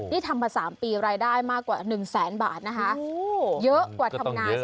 นี่ทำมา๓ปีรายได้มากกว่า๑แสนบาทนะคะเยอะกว่าทำงาน